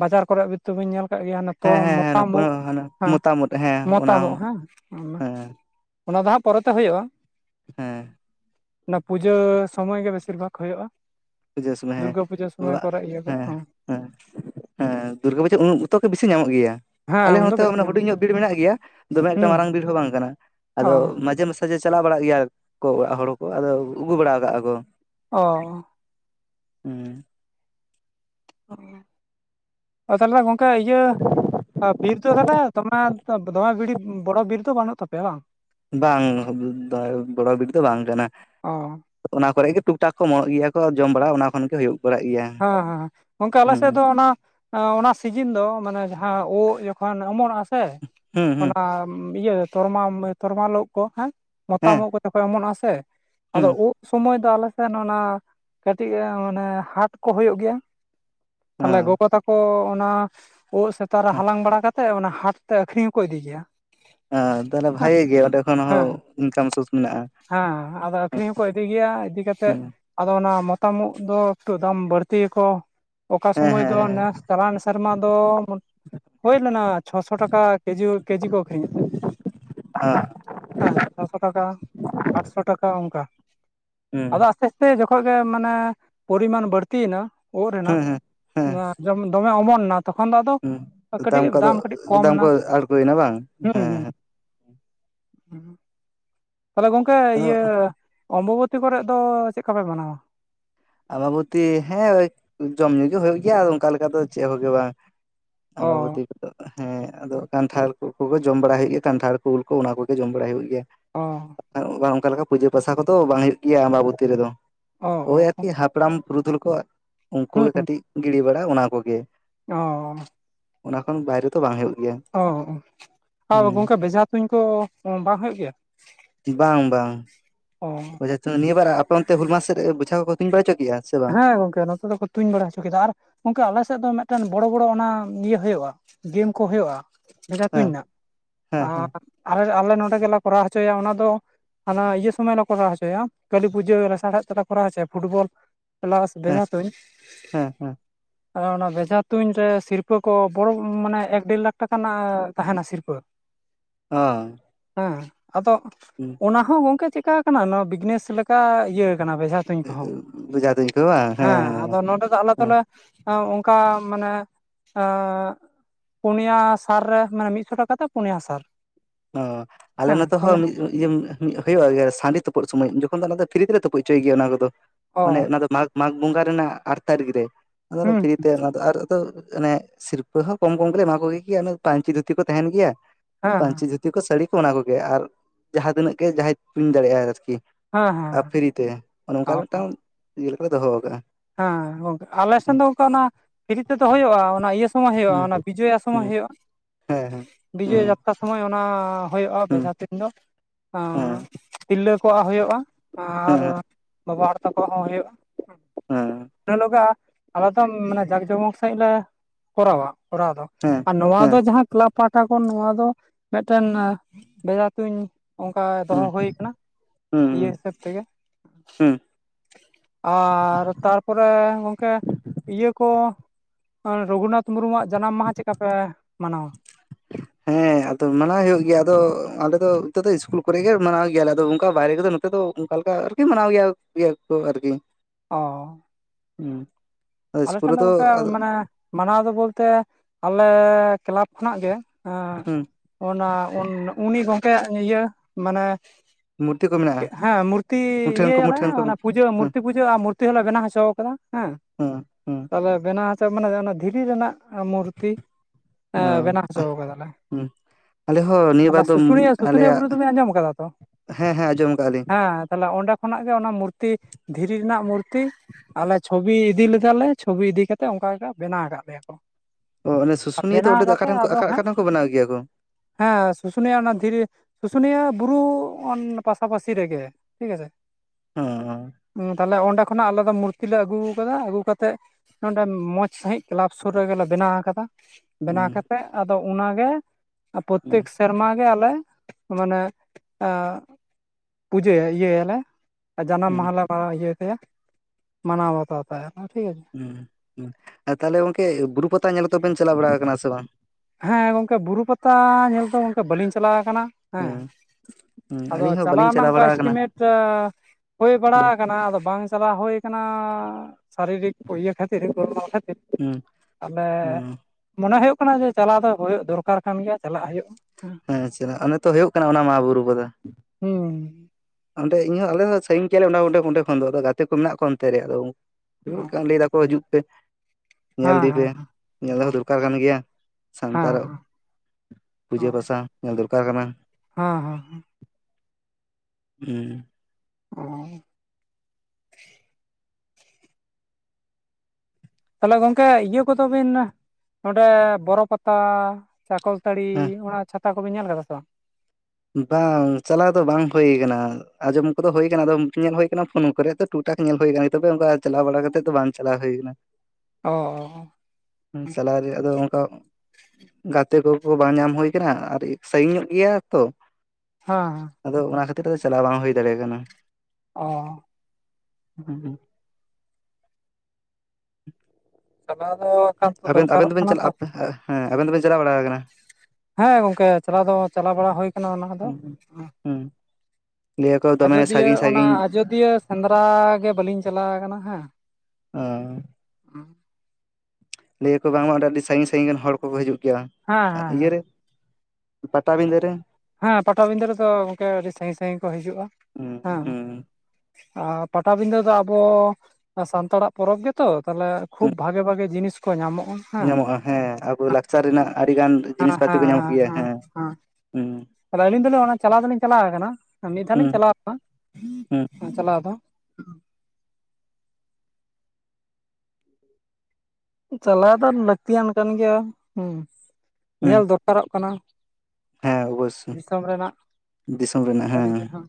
Speaker 1: ᱵᱟᱡᱟᱨ ᱠᱚᱨᱮ ᱵᱷᱤᱛᱩ ᱵᱤᱱ ᱧᱮᱞ ᱟᱜ ᱜᱮᱭᱟ
Speaker 2: ᱦᱮᱸ
Speaker 1: ᱛᱚᱨᱚᱱ
Speaker 2: ᱦᱮᱸ
Speaker 1: ᱢᱚᱛᱟᱢᱚᱜ
Speaker 2: ᱦᱟᱱᱟ
Speaker 1: ᱦᱮᱸ
Speaker 2: ᱢᱚᱛᱟᱢ ᱩᱫ ᱦᱮᱸ ᱚᱱᱟ
Speaker 1: ᱢᱚᱛᱟᱢᱚᱜ
Speaker 2: ᱦᱚᱸ
Speaker 1: ᱦᱮᱸ ᱚᱱᱟ
Speaker 2: ᱦᱮᱸ
Speaker 1: ᱚᱱᱟ ᱫᱚ ᱦᱟᱸᱜ ᱯᱚᱨᱮᱛᱮ ᱦᱳᱭᱳᱜᱼᱟ
Speaker 2: ᱦᱮᱸ
Speaker 1: ᱚᱱᱟ ᱯᱩᱡᱟᱹ ᱥᱚᱢᱚᱭ ᱜᱮ ᱵᱮᱥᱤᱨ ᱵᱷᱟᱜᱽ ᱦᱩᱭᱩᱜᱼᱟ
Speaker 2: ᱯᱩᱡᱟᱹ ᱥᱚᱢᱚᱭ ᱦᱮᱸ
Speaker 1: ᱫᱩᱨᱜᱟᱹ ᱯᱩᱡᱟᱹ ᱥᱚᱢᱚᱭ ᱠᱚᱨᱮ ᱤᱭᱟᱹ ᱠᱚ
Speaker 2: ᱦᱮᱸ
Speaker 1: ᱦᱚᱸ
Speaker 2: ᱦᱮᱸ ᱦᱮᱸ ᱫᱩᱨᱜᱟ ᱯᱩᱡᱟᱹ ᱩᱛᱚ ᱠᱚ ᱵᱮᱥᱤ ᱧᱟᱢᱚᱜ ᱜᱮᱭᱟ᱾
Speaker 1: ᱦᱮᱸ
Speaker 2: ᱟᱞᱮ
Speaker 1: ᱩᱱᱫᱚ
Speaker 2: ᱦᱚᱸᱛᱮ ᱚ
Speaker 1: ᱵᱮᱥᱤ ᱧᱟᱢᱚᱜᱼᱟ
Speaker 2: ᱦᱩᱰᱤᱧ ᱧᱚᱜ ᱵᱤᱲ ᱢᱮᱱᱟᱜ ᱜᱮᱭᱟ ᱫᱚᱢᱮ ᱮᱠᱴᱟ
Speaker 1: ᱦᱩᱸ
Speaker 2: ᱢᱟᱨᱟᱝ ᱵᱤᱲ ᱦᱚᱸ ᱵᱟᱝ ᱠᱟᱱᱟ
Speaker 1: ᱚ
Speaker 2: ᱟᱫᱚ ᱢᱟᱡᱷᱮ ᱢᱟᱥ ᱡᱮ ᱪᱟᱞᱟᱣ ᱵᱟᱲᱟᱜ ᱜᱮᱭᱟ ᱠᱚ ᱚᱲᱟᱜ ᱦᱚᱲᱠᱚ ᱟᱫᱚ ᱩᱜᱩ ᱵᱟᱲᱟ ᱠᱟᱜᱼᱟ ᱠᱚ᱾
Speaker 1: ᱚ
Speaker 2: ᱦᱩᱸ
Speaker 1: ᱛᱟᱞᱦᱮ ᱜᱚᱝᱠᱮ ᱤᱭᱟᱹ ᱵᱤᱨ ᱫᱚ ᱛᱟᱞᱦᱮ ᱛᱳᱢᱟᱨ ᱫᱚᱢᱮ ᱵᱤᱲᱤ ᱵᱚᱲᱚ ᱵᱤᱨ ᱫᱚ ᱵᱟᱹᱱᱩᱜ ᱛᱟᱯᱮᱭᱟ ᱵᱟᱝ
Speaker 2: ᱵᱟᱝ ᱫᱚ ᱵᱚᱲᱚ ᱵᱤᱨ ᱫᱚ ᱵᱟᱝ ᱠᱟᱱᱟ
Speaker 1: ᱚ
Speaker 2: ᱚ ᱚᱱᱟ ᱠᱚᱨᱮ ᱜᱮ ᱴᱩᱠᱴᱟᱠ ᱠᱚ ᱮᱢᱚᱜ ᱜᱮᱭᱟ ᱠᱚ ᱡᱚᱢ ᱵᱟᱲᱟ ᱚᱱᱟ ᱠᱷᱚᱱ ᱜᱮ ᱦᱳᱭᱳᱜ ᱵᱟᱲᱟᱜ ᱜᱮᱭᱟ᱾
Speaker 1: ᱦᱮᱸ ᱦᱮᱸ ᱜᱚᱝᱠᱮ ᱟᱞᱮ ᱥᱮᱫ
Speaker 2: ᱦᱩᱸ
Speaker 1: ᱫᱚ ᱚᱱᱟ ᱚᱱᱟ ᱥᱤᱡᱤᱱ ᱫᱚ ᱢᱟᱱᱮ ᱡᱟᱦᱟᱸ ᱳᱫ ᱡᱚᱠᱷᱚᱱ ᱚᱢᱚᱱᱚᱜᱟ ᱥᱮ ᱥᱮ
Speaker 2: ᱦᱩᱸ ᱦᱩᱸ
Speaker 1: ᱚᱱᱟ ᱤᱭᱟᱹ ᱛᱚᱨᱢᱟ ᱛᱚᱨᱚᱢᱟᱞᱚᱜ ᱠᱚ ᱦᱮᱸ
Speaker 2: ᱦᱮᱸ
Speaker 1: ᱢᱚᱛᱟᱢᱚᱜ ᱠᱚ ᱡᱚᱠᱷᱚᱡ ᱮᱢᱚᱱᱚᱜᱼᱟ ᱥᱮ
Speaker 2: ᱦᱩᱸ
Speaker 1: ᱟᱫᱚ ᱩᱵ ᱥᱚᱢᱚᱭ ᱫᱚ ᱟᱞᱮ ᱥᱮᱫ ᱚᱱᱟ ᱠᱟᱹᱴᱤᱡ ᱢᱟᱱᱮ ᱦᱟᱴ ᱠᱚ ᱦᱳᱭᱩᱳᱜ ᱜᱮᱭᱟ ᱛᱟᱞᱦᱮ
Speaker 2: ᱦᱮᱸ
Speaker 1: ᱜᱚᱜᱚ ᱛᱟᱠᱚ ᱚᱱᱟ ᱳᱜ ᱥᱮᱛᱟ ᱨᱮ ᱦᱟᱞᱟᱝ ᱵᱟᱲᱟ ᱠᱟᱛᱮ ᱚᱱᱟ ᱦᱟᱴᱛᱮ ᱟᱠᱷᱨᱤᱧ ᱦᱚᱸᱠᱚ ᱤᱫᱤ ᱜᱮᱭᱟ
Speaker 2: ᱛᱟᱦᱚᱞᱮ ᱵᱷᱟᱜᱮ ᱜᱮᱭᱟ ᱚᱸᱰᱮ ᱠᱷᱚᱱ
Speaker 1: ᱦᱮᱸ
Speaker 2: ᱦᱚᱸ ᱤᱱᱠᱟᱢ ᱥᱳᱨᱥ ᱢᱮᱱᱟᱜᱼᱟ
Speaker 1: ᱦᱮᱸ ᱟᱫᱚ ᱟᱹᱷᱨᱤᱧ ᱦᱚᱸᱠᱚ ᱤᱫᱤ ᱜᱮᱭᱟ ᱤᱫᱤ
Speaker 2: ᱦᱮᱸ
Speaker 1: ᱠᱟᱛᱮᱫ ᱟᱫᱚ ᱚᱱᱟ ᱢᱚᱛᱟᱢᱳᱜ ᱫᱚ ᱮᱠᱴᱩ ᱫᱟᱢ ᱵᱟᱹᱲᱛᱤ ᱜᱮᱠᱚ ᱚᱠᱟ
Speaker 2: ᱦᱮᱸ
Speaker 1: ᱥᱚᱢᱚᱭ
Speaker 2: ᱦᱮᱸ
Speaker 1: ᱫᱚ
Speaker 2: ᱦᱮᱸ
Speaker 1: ᱱᱮᱥ ᱪᱟᱞᱟᱣᱮᱱ ᱥᱮᱨᱢᱟ ᱫᱚ ᱦᱳᱭ ᱞᱮᱱᱟ ᱪᱷᱚᱥᱚ ᱴᱟᱠᱟ ᱠᱮᱡᱤ ᱠᱮᱡᱤ ᱠᱚ ᱟᱹᱠᱷᱨᱤᱧᱮᱫ ᱛᱟᱦᱮᱸᱫ
Speaker 2: ᱦᱮᱸ [UNINTELLIGIBLE]
Speaker 1: ᱦᱮᱸ ᱪᱷᱚᱥᱚ ᱴᱟᱠᱟ ᱟᱴᱥᱚ ᱴᱟᱠᱟ ᱚᱱᱠᱟ
Speaker 2: ᱦᱩᱸ
Speaker 1: ᱟᱫᱚ ᱟᱥᱛᱮ ᱟᱥ ᱛᱮ ᱡᱚᱠᱷᱚᱡ ᱜᱮ ᱢᱟᱱᱮ ᱯᱚᱨᱤᱢᱟᱱ ᱵᱟᱹᱲᱛᱤᱭᱮᱱᱟ ᱳᱜ
Speaker 2: ᱦᱮᱸ
Speaker 1: ᱨᱮᱱᱟᱜ
Speaker 2: ᱦᱮᱸ ᱦᱮᱸ
Speaker 1: ᱡᱚᱢ ᱫᱚᱢᱮ ᱚᱢᱚᱱᱟ ᱛᱚᱠᱷᱚᱱ ᱫᱚ ᱟᱫᱚ
Speaker 2: ᱦᱩᱸ
Speaker 1: ᱠᱟᱹᱴᱤᱡ
Speaker 2: ᱠᱚᱫᱚ
Speaker 1: ᱫᱟᱢ ᱠᱟᱹᱴᱤᱡ ᱠᱚᱢ
Speaker 2: ᱫᱟᱢ
Speaker 1: ᱱᱟ
Speaker 2: ᱠᱚ ᱟᱬᱜᱚᱭᱮᱱᱟ ᱵᱟᱝ
Speaker 1: ᱦᱮᱸ ᱦᱮᱸ [UNINTELLIGIBLE] ᱛᱟᱦᱚᱞᱮ ᱜᱚᱝᱠᱮ
Speaker 2: ᱟᱫᱚ
Speaker 1: ᱤᱭᱟᱹ ᱚᱢᱵᱚᱵᱚᱛᱤ ᱠᱚᱨᱮ ᱫᱚ ᱪᱮᱫ ᱞᱮᱠᱟ ᱯᱮ ᱢᱟᱱᱟᱣᱟ
Speaker 2: ᱟᱵᱟᱵᱚᱛᱤ ᱦᱮᱸ ᱚᱭ ᱡᱚᱢ ᱧᱩ ᱜᱮ ᱦᱳᱭᱳᱜ ᱜᱮᱭᱟ ᱚᱱᱠᱟ ᱞᱮᱠᱟ ᱫᱚ ᱪᱮᱫ ᱦᱚᱸᱜᱮ ᱵᱟᱝ
Speaker 1: ᱚ
Speaker 2: ᱟᱵᱟᱵᱚᱛᱤ ᱠᱚᱜ ᱦᱮᱸ ᱟᱫᱚ ᱠᱟᱱᱴᱷᱟᱲ ᱠᱚᱜᱮ ᱡᱚᱢ ᱵᱟᱲᱟᱭ ᱦᱩᱭᱩᱜ ᱜᱮᱭᱟ ᱠᱟᱱᱴᱷᱟᱲ ᱠᱚ ᱩᱞ ᱠᱚ ᱚᱱᱟ ᱠᱚᱜᱮ ᱡᱚᱢ ᱵᱟᱲᱟᱭ ᱦᱩᱭᱩᱜ ᱜᱮᱭᱟ
Speaker 1: ᱚ
Speaker 2: ᱵᱟᱝ ᱚᱱᱠᱟᱞᱮᱠᱟ ᱯᱩᱡᱟᱹ ᱯᱟᱥᱟ ᱠᱚᱫᱚ ᱵᱟᱝ ᱦᱳᱭᱳᱜ ᱜᱮᱭᱟ ᱟᱸᱵᱟᱵᱚᱛᱤ ᱨᱮᱫᱚ
Speaker 1: ᱚ
Speaker 2: ᱳᱭ
Speaker 1: ᱚ
Speaker 2: ᱟᱨᱠᱤ
Speaker 1: [UNINTELLIGIBLE]
Speaker 2: ᱦᱟᱯᱲᱟᱢ ᱯᱩᱨᱩᱫᱷᱩᱞ ᱠᱚ ᱩᱱᱠᱩ ᱜᱮ ᱠᱟᱹᱴᱤᱡ ᱜᱤᱲᱤ ᱵᱟᱲᱟ ᱚᱱᱟ ᱠᱚᱜᱮ
Speaker 1: ᱚᱻ
Speaker 2: ᱚᱱᱟ ᱠᱷᱚᱱ ᱵᱟᱭᱨᱮ ᱫᱚ ᱵᱟᱝ ᱦᱳᱭᱳᱜ ᱜᱮᱭᱟ
Speaker 1: ᱚ ᱟᱨ
Speaker 2: ᱦᱩᱸ
Speaker 1: ᱜᱚᱢᱠᱮ ᱵᱮᱡᱷᱟ ᱛᱩᱧ ᱠᱚ ᱵᱟᱝ ᱦᱳᱭᱳᱜ ᱜᱮᱭᱟ
Speaker 2: ᱵᱟᱝ ᱵᱟᱝ
Speaker 1: ᱚ
Speaker 2: ᱡᱮᱛᱩ ᱱᱤᱭᱟᱹ ᱵᱟᱨ ᱟᱯ ᱚᱱᱛᱮ ᱦᱩᱞ ᱢᱟᱥᱮᱫ ᱨᱮ ᱵᱮᱡᱷᱟ ᱠᱚᱠᱚ ᱛᱩᱧ ᱵᱟᱲᱟ ᱪᱚ ᱠᱮᱜᱟ ᱥᱮ ᱵᱟᱝ
Speaker 1: ᱦᱮᱸ ᱜᱚᱝᱠᱮ ᱱᱚᱛᱮ ᱫᱚᱠᱚ ᱛᱩᱧ ᱵᱟᱲᱟ ᱦᱚᱪᱩ ᱠᱮᱫᱟ ᱟᱨ ᱜᱚᱝᱠᱮ ᱟᱞᱮᱥᱮᱫ ᱫᱚ ᱢᱤᱫᱴᱮᱱ ᱵᱚᱲᱚ ᱵᱚᱲᱚ ᱚᱱᱟ ᱤᱭᱟᱹ ᱦᱳᱭᱳᱜᱼᱟ ᱜᱮᱢ ᱠᱚ ᱦᱳᱭᱳᱜᱼᱟ ᱵᱷᱮᱡᱟ ᱛᱩᱧ
Speaker 2: ᱦᱮᱸ
Speaker 1: ᱨᱮᱱᱟᱜ
Speaker 2: ᱦᱮᱸ ᱦᱮᱸ
Speaker 1: ᱟᱨ ᱟᱞᱮ ᱟᱞᱮ ᱱᱚᱰᱮ ᱜᱮᱞᱮ ᱠᱚᱨᱟᱣ ᱦᱚᱪᱚᱭᱟ ᱚᱱᱟ ᱫᱚ ᱦᱟᱱᱟ ᱤᱭᱟᱹ ᱥᱚᱢᱚᱭᱞᱮ ᱠᱚᱨᱟᱣ ᱦᱚᱪᱚᱭᱟ ᱠᱟᱹᱞᱤ ᱯᱩᱡᱟᱹ ᱞᱟᱥᱟᱲᱦᱮᱫ ᱛᱮᱞᱮ ᱠᱚᱨᱟᱣ ᱦᱚᱪᱚᱭᱟ ᱯᱷᱩᱴᱵᱚᱞ ᱯᱞᱟᱥ [UNINTELLIGIBLE] ᱛᱩᱧ
Speaker 2: ᱦᱮᱸ ᱦᱮᱸ ᱦᱮᱸ
Speaker 1: ᱚᱱᱟ ᱵᱮᱡᱟ ᱛᱩᱧ ᱨᱮ ᱥᱤᱨᱯᱟᱹ ᱠᱚ ᱵᱚᱲᱚ ᱢᱟᱱᱮ ᱮᱠ ᱰᱮᱲ ᱞᱟᱠᱷ ᱴᱟᱠᱟ ᱱᱟᱜ ᱛᱟᱦᱮᱱᱟ ᱥᱤᱨᱯᱟᱹ
Speaker 2: ᱚᱸ
Speaker 1: ᱦᱮᱸ ᱟᱫᱚ
Speaker 2: [INAUDIBLE]
Speaker 1: ᱚᱱᱟ ᱦᱚᱸ ᱜᱚᱝᱠᱮ ᱪᱮᱜᱠᱟ ᱠᱟᱱᱟ ᱱᱚᱣᱟ ᱵᱤᱡᱽᱱᱮᱥ ᱞᱮᱠᱟ ᱤᱭᱟᱹ ᱠᱟᱱᱟ ᱵᱮᱡᱷᱟ
Speaker 2: ᱵᱚᱡᱷᱟ ᱛᱩᱧ
Speaker 1: ᱦᱮᱸ ᱟᱫᱚ ᱱᱚᱸᱰᱮ ᱫᱚ ᱟᱞᱮ
Speaker 2: ᱦᱮᱸ
Speaker 1: ᱫᱚᱞᱮ ᱚᱝᱠᱟ ᱢᱟᱱᱮ ᱯᱚᱱᱭᱟ ᱥᱟᱨ ᱨᱮ ᱢᱟᱱᱮ ᱢᱤᱜᱥᱚ ᱴᱟᱠᱟ ᱛᱮ ᱯᱚᱱᱭᱟ ᱥᱟᱨ
Speaker 2: ᱚ ᱟᱞᱮ
Speaker 1: ᱦᱮᱸ
Speaker 2: ᱱᱚᱛᱮ
Speaker 1: ᱯᱩᱱᱭᱟ
Speaker 2: ᱦᱚᱸ ᱢᱤᱜ ᱢᱤᱜ ᱤᱭᱟᱹ ᱦᱳᱭᱳᱜᱼᱟ ᱥᱟᱺᱰᱤ ᱛᱳᱯᱳᱫ ᱥᱚᱢᱚᱭ ᱛᱚᱠᱷᱚᱱ ᱫᱚ ᱚᱱᱟ ᱫᱚ ᱯᱷᱤᱨᱤ ᱛᱮᱞᱮ ᱛᱳᱯᱳᱫ ᱦᱚᱪᱚᱭ ᱜᱮᱭᱟ ᱚᱱᱟ ᱠᱚᱫᱚ ᱟᱱᱮ
Speaker 1: ᱚ
Speaker 2: ᱚᱱᱟ ᱫᱚ ᱢᱟᱜᱽ ᱢᱟᱜᱽ ᱵᱚᱸᱜᱟ ᱨᱮᱱᱟᱜ ᱟᱴ ᱛᱟᱹᱨᱤᱠᱷ ᱨᱮ ᱟᱫᱚ
Speaker 1: ᱦᱩᱸ
Speaker 2: ᱯᱷᱨᱤ ᱛᱮ ᱚᱱᱟ ᱫᱚ ᱟᱨ ᱚᱱᱮ ᱥᱤᱨᱯᱟᱹ ᱦᱚᱸ ᱠᱚᱢ ᱠᱚᱢ ᱜᱮᱞᱮ ᱮᱢᱟ ᱠᱚᱜᱮ ᱜᱮᱭᱟ ᱩᱱᱟᱹᱜ ᱯᱟᱹᱧᱪᱤ ᱫᱷᱩᱛᱤ ᱠᱚ ᱛᱟᱦᱮᱱ ᱜᱮᱭᱟ
Speaker 1: ᱦᱮᱸ
Speaker 2: ᱯᱟᱹᱧᱪᱤ ᱫᱷᱩᱛ ᱠᱚ ᱥᱟᱹᱲᱤ ᱠᱚ ᱚᱱᱟ ᱠᱚᱜᱮ ᱟᱨ ᱡᱟᱦᱟᱸ ᱛᱤᱱᱟᱹᱜ ᱜᱮ ᱡᱟᱦᱟᱸᱭ ᱛᱩᱧ ᱫᱟᱲᱮᱭᱟᱜᱟᱭ ᱟᱨᱠᱤ
Speaker 1: ᱦᱮᱸ
Speaker 2: ᱟᱨ
Speaker 1: ᱦᱮᱸ
Speaker 2: ᱯᱷᱤᱨᱤ ᱛᱮ ᱚᱱᱚ ᱚᱝᱠᱟ ᱢᱮᱫᱴᱟᱝ ᱤᱭᱟᱹᱞᱮᱠᱟᱞᱮ ᱫᱚᱦᱚ ᱠᱟᱜᱼᱟ
Speaker 1: ᱦᱟᱸ ᱜᱚᱝᱠᱮ ᱟᱞᱮ ᱥᱮᱱ ᱫᱚ ᱚᱝᱠᱟᱱᱟᱜ ᱯᱷᱤᱨᱤ ᱛᱮᱫᱚ ᱦᱳᱭᱳᱜᱼᱟ ᱚᱱᱟ ᱤᱭᱟᱹ ᱥᱚᱢᱚᱭ ᱦᱳᱭᱳᱜᱼᱟ ᱚᱱᱟ ᱵᱤᱡᱚᱭᱟ ᱥᱚᱢᱚᱭ
Speaker 2: ᱦᱩᱸ
Speaker 1: ᱦᱳᱭᱳᱜᱼᱟ
Speaker 2: ᱦᱮᱸ ᱦᱮᱸ
Speaker 1: ᱵᱤᱡᱚᱭᱟ
Speaker 2: ᱦᱩᱸ
Speaker 1: ᱡᱟᱛ ᱚᱠᱟ ᱥᱚᱢᱚᱭ ᱚᱱᱟ ᱦᱳᱭᱳᱜᱼᱟ
Speaker 2: ᱦᱩᱸ
Speaker 1: ᱵᱮᱡᱷᱟ ᱛᱩᱧ ᱫᱚ ᱟᱸ
Speaker 2: ᱦᱮᱸ
Speaker 1: ᱛᱤᱨᱞᱟᱹ ᱠᱚᱣᱟᱜ ᱦᱳᱭᱳᱜᱼᱟ ᱟᱨ
Speaker 2: ᱦᱮᱸ
Speaker 1: ᱵᱟᱵᱟ ᱦᱚᱲ ᱛᱟᱠᱚᱣᱟᱜ ᱦᱚᱸ ᱦᱳᱭᱳᱜᱼᱟ
Speaker 2: ᱦᱮᱸ
Speaker 1: [INAUDIBLE] ᱟᱞᱮ ᱫᱚ ᱢᱟᱱᱮ ᱡᱟᱠ ᱡᱚᱢᱚᱠ ᱥᱟᱺᱦᱤᱡ ᱞᱮ ᱠᱚᱨᱟᱣᱟ ᱠᱚᱨᱟᱣ ᱫᱚ
Speaker 2: ᱦᱮᱸ
Speaker 1: ᱟᱨ ᱱᱚᱣᱟ
Speaker 2: ᱦᱮᱸ
Speaker 1: ᱫᱚ ᱡᱟᱦᱟᱸ ᱠᱞᱟᱵᱽ ᱯᱟᱦᱴᱟ ᱠᱷᱚᱱ ᱱᱚᱣᱟ ᱫᱚ ᱢᱮᱜᱴᱮᱱ ᱵᱮᱡᱷᱟ ᱛᱩᱧ ᱚᱝᱠᱟ ᱫᱚᱦᱚ
Speaker 2: ᱦᱩᱸ
Speaker 1: ᱦᱳᱭ ᱠᱟᱱᱟ ᱤᱭᱟᱹ
Speaker 2: ᱦᱩᱸ
Speaker 1: ᱦᱤᱥᱟᱹᱵᱽ ᱛᱮᱜᱮ
Speaker 2: ᱦᱩᱸ
Speaker 1: ᱟᱨᱻ ᱛᱟᱨᱯᱚᱨᱮ ᱜᱚᱝᱠᱮ ᱤᱭᱟᱹ ᱠᱚ ᱨᱚᱜᱷᱩᱱᱟᱛᱷ ᱢᱩᱨᱢᱩᱣᱟᱜ ᱡᱟᱱᱟᱢ ᱢᱟᱦᱟ ᱪᱮᱜᱠᱟ ᱯᱮ ᱢᱟᱱᱟᱣᱟ
Speaker 2: [INAUDIBLE] ᱦᱮᱸ ᱟᱫᱚ ᱢᱟᱱᱟᱣ ᱦᱳᱭᱳᱜ ᱜᱮᱭᱟ ᱟᱫᱚ ᱟᱞᱮ ᱫᱚ ᱱᱤᱛᱚᱜ ᱫᱚ ᱤᱥᱠᱩᱞ ᱠᱚᱨᱮ ᱜᱮ ᱢᱟᱱᱟᱣ ᱜᱮᱭᱟᱞᱮ ᱟᱫᱚ ᱚᱝᱠᱟ ᱵᱟᱭᱨᱮ ᱨᱮᱫᱚ ᱛᱮᱫᱚ ᱚᱝᱠᱟ ᱞᱮᱠᱟ ᱟᱨᱠᱤ ᱢᱟᱱᱟᱣ ᱜᱮᱭᱟ ᱜᱤᱭᱟ ᱠᱚ ᱟᱨᱠᱤ
Speaker 1: [UNINTELLIGIBLE]
Speaker 2: ᱩᱸ ᱟᱫᱚ
Speaker 1: ᱟᱞᱮ
Speaker 2: ᱤᱥᱠᱩᱞ
Speaker 1: ᱴᱷᱮᱱ ᱫᱚ
Speaker 2: ᱨᱮᱫᱚ
Speaker 1: ᱜᱚᱝᱠᱮ
Speaker 2: ᱟᱫᱚ
Speaker 1: ᱢᱟᱱᱮ ᱢᱟᱱᱟᱣ ᱫᱚ ᱵᱚᱞᱛᱮ ᱟᱞᱮ ᱠᱞᱟᱵᱽ ᱠᱷᱚᱱᱟᱜ ᱜᱮ
Speaker 2: ᱦᱩᱸ
Speaker 1: ᱚᱱᱟ ᱩᱱ ᱩᱱᱤ ᱜᱚᱝᱠᱮᱭᱟᱜ ᱤᱭᱟᱹ ᱢᱟᱱᱮ
Speaker 2: ᱢᱩᱨᱛᱤ ᱠᱚ ᱢᱮᱱᱟᱜ
Speaker 1: ᱦᱮᱸ ᱢᱩᱨᱛᱤ ᱤᱭᱟᱹᱭᱟᱞᱮ
Speaker 2: ᱦᱩᱸ
Speaker 1: ᱚᱱᱮ ᱯᱩᱡᱟᱹ ᱢᱩᱨᱛᱤ ᱯᱩᱡᱟᱹ ᱟ ᱢᱩᱨᱛᱤ ᱦᱚᱸᱞᱮ ᱵᱮᱱᱟᱣ ᱦᱚᱪᱚᱣ ᱠᱟᱫᱟ ᱮᱸ
Speaker 2: ᱦᱩᱸ ᱦᱩᱸ
Speaker 1: ᱛᱚᱵᱮ ᱵᱮᱱᱟᱣ ᱦᱚᱪᱟ ᱢᱟᱱᱮ ᱚᱱᱟ ᱫᱷᱤᱨᱤ ᱨᱮᱱᱟᱜ ᱢᱩᱨᱛᱤ ᱟ
Speaker 2: ᱦᱩᱸ
Speaker 1: ᱵᱮᱱᱟ ᱦᱚᱪᱚ ᱠᱟᱫᱟᱞᱮ
Speaker 2: ᱦᱩᱸ ᱟᱞᱮ ᱦᱚᱸ ᱱᱤᱭᱟᱹ
Speaker 1: ᱛᱟᱦᱚᱞᱮ
Speaker 2: ᱵᱟᱨ ᱫᱚ
Speaker 1: ᱥᱩᱥᱩᱱᱤᱭᱟᱹ ᱥᱩᱥᱩᱱᱤᱭᱟᱹ
Speaker 2: ᱟᱞᱮᱭᱟᱜ
Speaker 1: ᱵᱩᱨᱩ ᱫᱚᱵᱤᱱ
Speaker 2: ᱦᱮᱸ ᱦᱮᱸ ᱟᱸᱡᱚᱢ ᱠᱟᱜᱼᱟ ᱞᱤᱧ
Speaker 1: ᱦᱟᱸ ᱛᱟᱦᱚᱞᱮ ᱚᱸᱰᱮ ᱠᱷᱚᱱᱟᱜ ᱜᱮ ᱚᱱᱟ ᱢᱩᱨᱛᱤ ᱫᱷᱤᱨᱤ ᱨᱤᱱᱟᱜ ᱢᱩᱨᱛᱤ ᱟᱞᱮ ᱪᱷᱚᱵᱤ ᱤᱫᱤᱞᱤᱫ ᱫᱟᱞᱮ ᱪᱷᱚᱵᱤ ᱤᱫᱤ ᱠᱟᱛᱮᱜ ᱚᱝᱠᱟ ᱞᱮᱠᱟ ᱵᱮᱱᱟᱣ ᱟᱠᱟᱜ ᱛᱟᱭᱟ ᱠᱚ
Speaker 2: ᱚ ᱚᱱᱮ ᱥᱩᱥᱩᱱᱤᱭᱟᱹ ᱛᱚ
Speaker 1: ᱵᱮᱱᱟᱣ
Speaker 2: ᱚᱸᱰᱮ
Speaker 1: ᱠᱟᱛᱮᱜ
Speaker 2: ᱟᱠᱟᱴᱷᱮᱱ ᱠᱚ
Speaker 1: ᱟᱫᱚ
Speaker 2: ᱟᱠᱟ
Speaker 1: ᱦᱮᱸ
Speaker 2: ᱟᱠᱟᱴᱷᱮᱱ ᱠᱚ ᱵᱮᱱᱟᱣ ᱜᱮᱭᱟ ᱠᱚ
Speaker 1: ᱦᱮᱸ ᱥᱩᱥᱩᱱᱤᱭᱟ ᱚᱱᱟ ᱫᱷᱤᱨᱤ ᱥᱩᱥᱩᱱᱤᱭᱟᱹ ᱵᱩᱨᱩ ᱚᱱ ᱯᱟᱥᱟᱯᱟᱥᱤ ᱨᱮᱜᱮ ᱴᱷᱤᱠ ᱟᱪᱷᱮ
Speaker 2: ᱦᱩᱸ
Speaker 1: ᱦᱩᱸ ᱛᱟᱦᱞᱮ ᱚᱸᱰᱮ ᱠᱷᱚᱱᱟᱜ ᱟᱞᱮ ᱫᱚ ᱢᱩᱨᱛᱤ ᱞᱮ ᱟᱜᱩᱣ ᱠᱟᱫᱟ ᱟᱹᱜᱩ ᱠᱟᱛ ᱛᱮᱜ ᱱᱚᱸᱰᱮ ᱢᱚᱸᱡᱽ ᱥᱟᱹᱦᱤᱡ ᱠᱞᱟᱯ ᱥᱳᱨ ᱨᱮᱜᱮᱞᱮ ᱵᱮᱱᱟᱣ ᱠᱟᱫᱟ ᱵᱮᱱᱟᱣ
Speaker 2: ᱦᱩᱸ
Speaker 1: ᱠᱟᱛᱮᱜ ᱟᱫᱚ ᱚᱱᱟ ᱜᱮ
Speaker 2: ᱦᱩᱸ
Speaker 1: ᱯᱨᱚᱛᱛᱮᱠ ᱥᱤ ᱥᱮᱨᱢᱟ ᱜᱮ ᱟᱞᱮ ᱢᱟᱱᱮ ᱮᱸ ᱯᱩᱡᱟᱹ ᱤᱭᱟᱹ ᱟᱞᱮ ᱡᱟᱱᱟᱢ
Speaker 2: ᱦᱩᱸ
Speaker 1: ᱢᱟᱦᱟ ᱞᱮ ᱤᱭᱟᱹ ᱛᱟᱭᱟ ᱢᱟᱱᱟᱣ ᱵᱟᱛᱟᱣ ᱛᱟᱭᱟ ᱴᱷᱤᱠ ᱟᱪᱷᱮ
Speaker 2: ᱟᱨ ᱛᱟᱦᱚᱞᱮ ᱜᱚᱝᱠᱮ ᱵᱩᱨᱩ ᱯᱟᱛᱟ ᱧᱮᱞ ᱫᱚᱵᱮᱱ ᱪᱟᱞᱟᱣ ᱵᱟᱲᱟᱣ ᱟᱠᱟᱱᱟ ᱥᱮ ᱵᱟᱝ
Speaker 1: ᱦᱮᱸ ᱜᱚᱝᱠᱮ ᱵᱩᱨᱩ ᱯᱟᱛᱟ ᱧᱮᱞ ᱫᱚ ᱜᱚᱝᱠᱮ ᱵᱟᱹᱞᱤᱧ ᱪᱟᱞᱟᱣ ᱠᱟᱱᱟ ᱦᱮᱸ
Speaker 2: ᱦᱩᱸ ᱦᱩᱸ
Speaker 1: ᱟᱫᱚ
Speaker 2: ᱟᱹᱞᱤᱧ ᱦᱚᱸ
Speaker 1: ᱪᱟᱞᱟᱣ
Speaker 2: ᱵᱟᱹᱞᱤᱧ
Speaker 1: ᱨᱮᱱᱟᱜ ᱚᱱᱠᱟ
Speaker 2: ᱵᱟᱲᱟ ᱟᱠᱟᱱᱟ
Speaker 1: ᱤᱥᱴᱤᱢᱮᱴ ᱟ ᱦᱩᱭ ᱵᱟᱲᱟ
Speaker 2: ᱦᱩᱸ
Speaker 1: ᱟᱠᱟᱱᱟ ᱟᱫᱚ ᱵᱟᱝ ᱪᱟᱞᱟᱣ ᱦᱩᱭ ᱟᱠᱟᱱᱟ ᱥᱟᱨᱤᱨᱤᱠ ᱜᱮ ᱯᱩᱭᱟ. ᱤᱭᱟ ᱠᱷᱟᱹᱛᱤᱨ ᱜ ᱠᱷᱟᱹᱛᱤᱨ
Speaker 2: ᱦᱩᱸ
Speaker 1: ᱟᱮ
Speaker 2: ᱦᱩᱸ
Speaker 1: ᱢᱚᱱᱮ ᱦᱳᱭᱳᱜ ᱠᱟᱱᱟ ᱡᱮ ᱪᱟᱞᱟᱣ ᱫᱚ ᱦᱳᱭᱳᱜ ᱫᱚᱨᱠᱟᱨ ᱠᱟᱱ ᱜᱮᱭᱟ ᱪᱟᱞᱟᱜ ᱦᱳᱭᱳᱜᱼᱟ
Speaker 2: ᱦᱮᱸ ᱪᱚ ᱱᱤᱛᱚᱜ ᱦᱳᱭᱳᱜ ᱠᱟᱱᱟ ᱚᱱᱟ ᱢᱟ ᱵᱩᱨᱩ ᱯᱟᱫᱟ
Speaker 1: ᱦᱩᱸ
Speaker 2: ᱚᱸᱰᱮ ᱤᱧ ᱦᱚᱸ ᱟᱞᱮ ᱦᱚᱸ ᱥᱟᱹᱜᱤᱧ ᱜᱮᱭᱟ ᱞᱮ ᱚᱸᱰᱮ ᱚᱸᱰᱮ ᱠᱷᱚᱱ ᱟᱫᱚ ᱜᱟᱛᱮ ᱠᱚ ᱢᱮᱱᱟᱜ ᱠᱚᱣᱟ ᱚᱱᱛᱮ ᱨᱮ ᱟᱫᱚ
Speaker 1: ᱦᱮᱸ
Speaker 2: ᱦᱩᱭᱩᱜ
Speaker 1: ᱦᱮᱸ
Speaker 2: ᱠᱟᱱ ᱞᱮᱭ ᱫᱟᱠᱚ ᱡᱩᱜ ᱛᱮ
Speaker 1: ᱦᱮᱸ ᱦᱮᱸ
Speaker 2: ᱧᱮᱞᱫᱤ ᱯᱮ ᱧᱮᱞ ᱫᱚᱦᱚ ᱫᱚᱨᱠᱟᱨ ᱠᱟᱱ ᱜᱮᱭᱟ ᱥᱟᱱᱛᱟᱲᱟᱜ
Speaker 1: ᱦᱮᱸ
Speaker 2: ᱯᱩᱡᱟᱹ ᱯᱟᱥᱟ ᱧᱮᱞ ᱫᱚᱨᱠᱟᱨ ᱠᱟᱱᱟ
Speaker 1: ᱦᱚᱸ ᱦᱚᱸ
Speaker 2: ᱩᱸ
Speaker 1: ᱚ ᱛᱟᱦᱚᱞᱮ ᱜᱚᱝᱠᱮ ᱤᱭᱟᱹ ᱠᱚ ᱫᱚ ᱵᱤᱱ ᱱᱚᱰᱮ ᱵᱚᱨᱚ ᱯᱟᱛᱟ ᱪᱟᱠᱚᱞ ᱛᱟᱹᱲᱤ
Speaker 2: ᱦᱮᱸ
Speaker 1: ᱚᱱᱟ ᱪᱷᱟᱛᱟ ᱠᱚᱵᱮᱱ ᱧᱮᱞ ᱠᱟᱫᱟ ᱛᱚ
Speaker 2: ᱵᱟᱝ ᱪᱟᱞᱟᱣ ᱫᱚ ᱵᱟᱝ ᱦᱩᱭ ᱠᱟᱱᱟ ᱟᱸᱡᱚᱢ ᱠᱚᱫᱚ ᱦᱩᱭ ᱟᱠᱟᱱᱟ ᱟᱫᱚ ᱧᱮᱞ ᱦᱩᱭ ᱟᱠᱟᱱᱟ ᱟᱡᱚᱢ ᱠᱚᱫᱚ ᱦᱳᱭ ᱠᱟᱱᱟ ᱟᱫᱚᱠᱚᱨᱮ ᱛ ᱴᱩ ᱴᱟᱠ ᱧᱮᱞ ᱦᱩᱭ ᱟᱠᱟᱱᱟ ᱛᱚᱵᱮ ᱚᱱᱠᱟ ᱪᱟᱞᱟᱣ ᱵᱟᱲᱟ ᱠᱟᱛᱮᱜᱚ ᱵᱟᱝ ᱪᱟᱞᱟᱣ ᱦᱩᱭᱩ ᱟᱠᱟᱱᱟ [INAUDIBLE]
Speaker 1: ᱚ
Speaker 2: ᱥᱮᱞᱟᱨᱤ ᱨᱮᱭᱟᱜ ᱫᱚ ᱚᱱᱠᱟ ᱜᱟᱛᱮ ᱠᱚ ᱠᱚ ᱵᱟᱝ ᱧᱟᱢ ᱦᱳᱭ ᱠᱟᱱᱟ ᱟᱨ ᱥᱟᱺᱜᱤᱧ ᱧᱚᱜ ᱜᱮᱭᱟ ᱛᱚ
Speaker 1: ᱦᱮᱸ ᱦᱮᱸ
Speaker 2: ᱟᱫᱚ ᱚᱱᱟ ᱠᱷᱟᱹᱛᱤᱨ ᱛᱮᱜᱚ ᱪᱟᱞᱟᱣ ᱵᱟᱝ ᱦᱩᱭ ᱫᱟᱲᱮᱭ ᱠᱟᱱᱟ
Speaker 1: ᱚ
Speaker 2: [UNINTELLIGIBLE]
Speaker 1: ᱪᱟᱞᱟᱣ ᱫᱚ ᱮᱠᱟᱱᱛ
Speaker 2: ᱟᱵᱮᱱ ᱟᱵᱮᱱ
Speaker 1: ᱫᱚᱨᱠᱟᱨᱚᱜ
Speaker 2: ᱫᱚᱵᱮᱱ
Speaker 1: ᱠᱟᱱᱟ
Speaker 2: ᱪᱟᱞᱟ.
Speaker 1: ᱛᱚ
Speaker 2: ᱣ ᱠᱟ ᱦᱮᱸ ᱟᱵᱮᱱ ᱫᱚᱵᱮᱱ ᱪᱟᱞᱟᱣ ᱵᱟᱲᱟ ᱠᱟᱱᱟ
Speaker 1: ᱦᱮᱸ ᱜᱚᱝᱠᱮ ᱪᱟᱞᱟᱣ ᱫᱚ ᱪᱟᱞᱟᱣ ᱵᱟᱲᱟ ᱦᱩᱭ ᱠᱟᱱᱟ ᱚᱱᱟ ᱫᱚ
Speaker 2: ᱦᱮᱸ
Speaker 1: ᱟᱡᱚᱫᱤᱭᱟᱹ ᱚᱱᱟ ᱟᱡᱚᱫᱤᱭᱟᱹ ᱥᱮᱸᱫᱨᱟ ᱜᱮ ᱵᱟᱹᱞᱤᱧ ᱪᱟᱞᱟᱣ ᱠᱟᱱᱟ ᱦᱮᱸ
Speaker 2: ᱚ ᱞᱟᱹᱭ ᱟᱠᱚ ᱵᱟᱝ ᱢᱟ ᱚᱸᱰᱮ ᱟᱹᱰᱤ ᱥᱟᱺᱜᱤᱧ ᱥᱟᱺᱜᱤᱧ ᱨᱮᱱ ᱦᱚᱲ ᱠᱚ ᱠᱚ ᱦᱤᱡᱩᱜ ᱜᱮᱭᱟ
Speaker 1: ᱦᱮᱸ ᱦᱮᱸ
Speaker 2: ᱤᱭᱟᱹ
Speaker 1: ᱦᱮᱸ
Speaker 2: ᱨᱮ ᱯᱟᱴᱟᱵᱤᱫᱷᱟ ᱨᱮ
Speaker 1: ᱦᱮᱸ ᱯᱟᱴᱟᱵᱤᱫᱷᱟᱹ ᱨᱮ ᱫᱚ ᱜᱚᱝᱠᱮ ᱟᱹᱰᱤ ᱥᱟᱹᱜᱤᱧ ᱥᱟᱹᱜᱤᱧ ᱠᱚ ᱦᱤᱡᱩᱜᱼᱟ
Speaker 2: ᱦᱩᱸ
Speaker 1: ᱦᱮᱸ
Speaker 2: ᱦᱩᱸ
Speaker 1: ᱟ ᱯᱟᱴᱟᱵᱤᱫᱷᱟᱹ ᱫᱚ ᱟᱵᱚ ᱥᱟᱱᱛᱟᱲᱟᱜ ᱯᱚᱨᱚᱵ ᱜᱮᱛᱚ ᱛᱟᱞᱦᱮ ᱠᱷᱩᱵ ᱵᱷᱟᱜᱮ ᱵᱷᱟᱜᱮ ᱡᱤᱱᱤᱥ ᱠᱚ ᱧᱟᱢᱚᱜᱼᱟ᱾ ᱦᱮᱸ
Speaker 2: ᱧᱟᱢᱚᱜᱼᱟ ᱦᱮᱸ ᱟᱵᱚ ᱞᱟᱠᱪᱟᱨ ᱨᱮᱱᱟᱜ ᱟᱹᱰᱤ ᱜᱟᱱ
Speaker 1: ᱦᱮᱸ ᱦᱮᱸ ᱦᱮᱸ ᱦᱮᱸ ᱦᱮᱸ
Speaker 2: ᱦᱩᱸ
Speaker 1: ᱟᱹᱞᱤᱧ ᱫᱚᱞᱤᱧ ᱚᱱᱟ ᱪᱟᱞᱟᱣ ᱫᱚᱞᱤᱧ ᱪᱟᱞᱟᱣ ᱠᱟᱱᱟ ᱢᱤᱫ ᱫᱷᱟᱣ
Speaker 2: ᱦᱩᱸ
Speaker 1: ᱞᱤᱧ ᱪᱟᱞᱟᱣ ᱠᱟᱱᱟ
Speaker 2: ᱦᱩᱸ
Speaker 1: ᱪᱟᱞᱟᱣ ᱫᱚ ᱪᱟᱞᱟᱣ ᱫᱚ ᱞᱟᱹᱠᱛᱤᱭᱟᱱ ᱠᱟᱱ ᱜᱮᱭᱟ ᱦᱮᱸ
Speaker 2: ᱦᱩᱸ
Speaker 1: ᱧᱮᱞ ᱫᱚᱨᱠᱟᱨᱚᱜ ᱠᱟᱱᱟ
Speaker 2: ᱦᱮᱸ ᱚᱵᱚᱥᱥᱳᱭ
Speaker 1: ᱫᱤᱥᱚᱢ ᱨᱮᱱᱟᱜ
Speaker 2: ᱫᱤᱥᱚᱢ ᱨᱮᱱᱟᱜ
Speaker 1: ᱟᱹᱨᱤ
Speaker 2: ᱦᱮᱸ
Speaker 1: ᱡᱟᱦᱟᱸ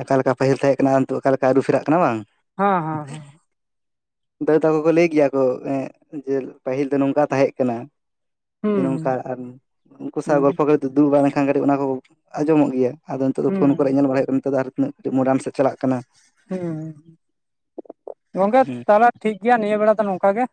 Speaker 2: ᱚᱠᱟ ᱞᱮᱠᱟ ᱯᱟᱹᱦᱤᱞ ᱛᱟᱦᱮᱸ ᱠᱟᱱᱟ ᱟᱨ ᱱᱤᱛᱳᱜ ᱚᱠᱟ ᱞᱮᱠᱟ ᱟᱹᱨᱩ ᱯᱷᱮᱨᱟᱜ ᱠᱟᱱᱟ ᱵᱟᱝ
Speaker 1: ᱦᱮᱸ
Speaker 2: ᱫᱟᱫᱩ ᱛᱟᱠᱚ ᱠᱚ ᱞᱟᱹᱭ ᱜᱮᱭᱟ ᱠᱚ ᱮ ᱡᱮ ᱯᱟᱹᱦᱤᱞ ᱫᱚ ᱱᱚᱝᱠᱟ ᱛᱟᱦᱮᱸ ᱠᱟᱱᱟ
Speaker 1: ᱦᱮᱸ ᱦᱮᱸ
Speaker 2: ᱱᱚᱝᱠᱟ ᱟᱨ ᱩᱱᱠᱩ ᱥᱟᱶ
Speaker 1: ᱦᱩᱸ
Speaker 2: ᱜᱚᱞᱯᱚ ᱠᱚ ᱫᱩᱲᱩᱵ ᱵᱟᱲᱟ ᱞᱮᱱᱠᱷᱟᱱ ᱠᱟᱴᱤᱡ ᱚᱱᱟ ᱠᱚ ᱟᱸᱡᱚᱢᱚᱜ ᱜᱮᱭᱟ ᱟᱫᱚ ᱫᱚ
Speaker 1: ᱦᱩᱸ
Speaker 2: ᱯᱷᱳᱱ ᱠᱚᱨᱮ ᱧᱮᱞ ᱵᱟᱲᱟ ᱦᱩᱭᱩᱜ ᱠᱟᱱᱟ ᱱᱤᱛᱚᱜ ᱫᱚ ᱟᱨ ᱛᱤᱱᱟᱹᱜ ᱴᱤ ᱢᱳᱰᱟᱱ ᱥᱮᱡ ᱪᱟᱞᱟᱜ ᱠᱟᱱᱟ
Speaker 1: ᱦᱮᱸ ᱜᱚᱝᱠᱮ
Speaker 2: ᱦᱩᱸ
Speaker 1: ᱛᱟᱦᱞᱮ ᱴᱷᱤᱠ ᱜᱮᱭᱟ ᱱᱤᱭᱟᱹ ᱵᱮᱲᱟ ᱫᱚ ᱱᱚᱝᱠᱟ ᱜᱮ